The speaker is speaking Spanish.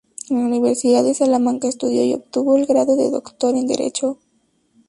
En la Universidad de Salamanca estudió y obtuvo el grado de doctor en Derecho.